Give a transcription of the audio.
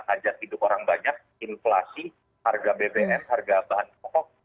hajat hidup orang banyak inflasi harga bbm harga bahan pokok